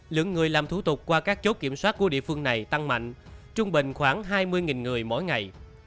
lượng người làm thủ tục qua các chốt kiểm soát của địa phương này tăng mạnh trung bình khoảng hai mươi người mỗi ngày